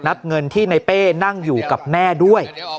เงินที่ในเป้นั่งอยู่กับแม่ด้วย